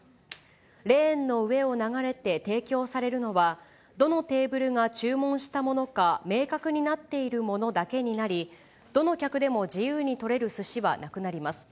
レーンの上を流れて提供されるのは、どのテーブルが注文したものか、明確になっているものだけになり、どの客でも自由に取れるすしはなくなります。